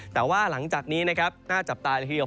แต่ว่าหลังจากนี้นะครับน่าจับตาละทีเดียว